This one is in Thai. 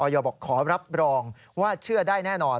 บอกขอรับรองว่าเชื่อได้แน่นอน